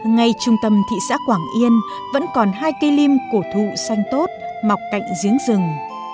ngay trung tâm thị xã quảng yên vẫn còn hai cây lim cổ thụ xanh tốt mọc cạnh giếng rừng